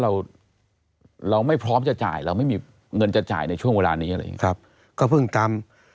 ว่าเราไม่พร้อมจะจ่ายเราไม่มีเงินจะจ่ายในช่วงเวลานี้อะไรอย่างนี้